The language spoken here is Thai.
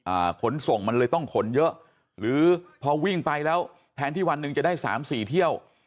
ขนส่งมันเลยต้องขนเยอะหรือพอวิ่งไปแล้วแทนที่วันหนึ่งจะได้สามสี่เที่ยว